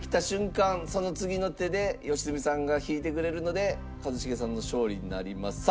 その次の手で良純さんが引いてくれるので一茂さんの勝利になります。